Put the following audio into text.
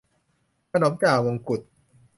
ขนมจ่ามงกุฎ